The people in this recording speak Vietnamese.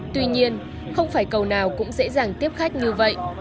tuy nhiên không phải cầu nào cũng dễ dàng tiếp khách như vậy